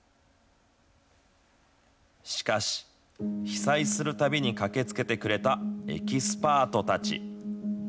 しかし、被災するたびに駆けつけてくれたエキスパートたち。